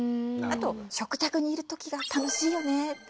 あと「食卓にいる時が楽しいよね」